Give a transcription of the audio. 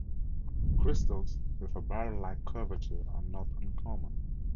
Crystals with a barrel-like curvature are not uncommon.